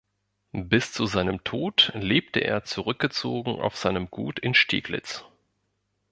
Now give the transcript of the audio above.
Bis zu seinem Tod lebte er zurückgezogen auf seinem Gut in Steglitz.